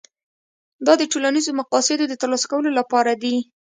دا د ټولنیزو مقاصدو د ترلاسه کولو لپاره دي.